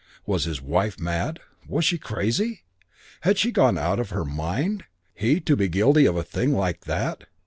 Was his wife mad? Was she crazy? Had she gone out of her mind? He to be guilty of a thing like that?